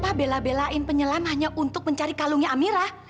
papa bela belain penyelam hanya untuk mencari kalungnya amira